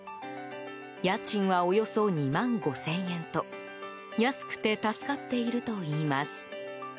家賃はおよそ２万５０００円と安くて助かっているといいます。